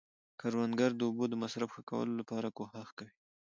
کروندګر د اوبو د مصرف ښه کولو لپاره کوښښ کوي